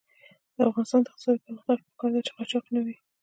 د افغانستان د اقتصادي پرمختګ لپاره پکار ده چې قاچاق نه وي.